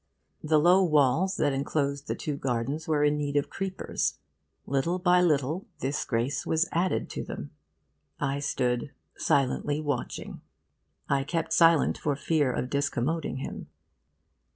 The low walls that enclosed the two gardens were in need of creepers. Little by little, this grace was added to them. I stood silently watching. I kept silent for fear of discommoding him.